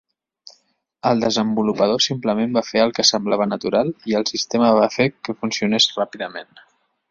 El desenvolupador simplement va fer el que semblava natural i el sistema va fer que funcionés ràpidament.